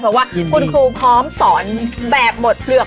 เพราะว่าคุณครูพร้อมสอนแบบหมดเปลือก